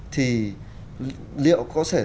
thì liệu có thể